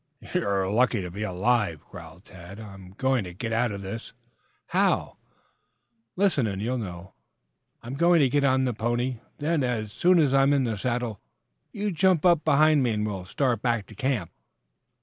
"You're lucky to be alive," growled Tad. "I'm going to get out of this." "How?" "Listen, and you'll know. I'm going to get on the pony; then, as soon as I'm in the saddle, you jump up behind me and we'll start back to camp."